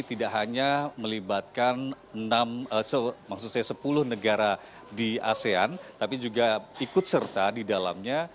tidak hanya melibatkan sepuluh negara di asean tapi juga ikut serta di dalamnya